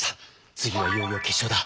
次はいよいよ決勝だ。